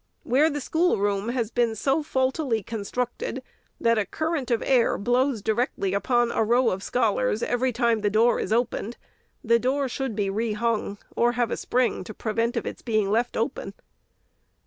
Where the schoolroom has been so fault ily constructed, that a current of air blows directly upon a row of scholars every time the door is opened, the door ON SCHOOLHOUSES. 449 should be rehung, or have a spring to prevent its being left open.